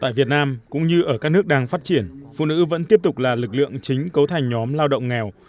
tại việt nam cũng như ở các nước đang phát triển phụ nữ vẫn tiếp tục là lực lượng chính cấu thành nhóm lao động nghèo